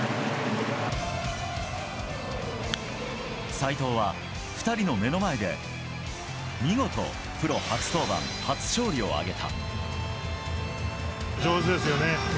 斎藤は２人の目の前で見事プロ初登板、初勝利を挙げた。